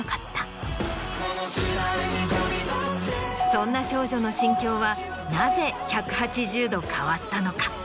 そんな少女の心境はなぜ１８０度変わったのか？